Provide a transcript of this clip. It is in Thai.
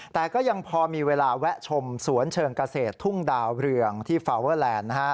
แต่ก็ยังพอมีเวลาแวะชมสวนเชิงเกษตรทุ่งดาวเรืองที่ฟาวเวอร์แลนด์